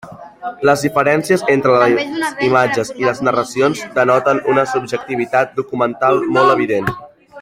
Les diferències entre les imatges i les narracions denoten una subjectivitat documental molt evident.